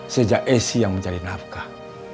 sejak esi yang mencari nafkah